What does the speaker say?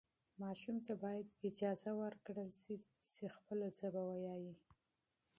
ماشوم ته باید اجازه ورکړل شي چې خپله ژبه وکاروي.